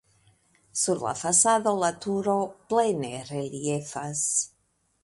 Sur la fasado la turo plene reliefas.